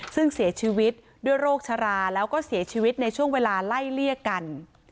ซึ่งเสียชีวิตด้วยโรคชราแล้วก็เสียชีวิตในช่วงเวลาไล่เลี่ยกัน